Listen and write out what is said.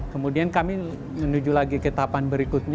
kemudian kami menuju lagi ke tahapan berikutnya